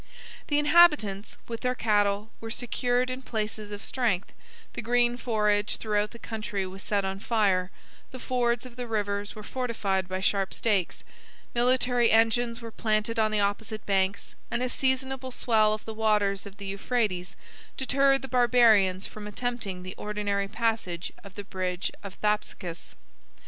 The inhabitants, with their cattle, were secured in places of strength, the green forage throughout the country was set on fire, the fords of the rivers were fortified by sharp stakes; military engines were planted on the opposite banks, and a seasonable swell of the waters of the Euphrates deterred the Barbarians from attempting the ordinary passage of the bridge of Thapsacus.